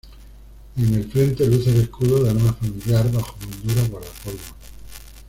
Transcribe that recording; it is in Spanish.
En el frente luce el escudo de armas familiar bajo moldura guardapolvos.